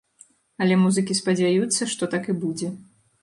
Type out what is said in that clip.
Але музыкі спадзяюцца, што так і будзе.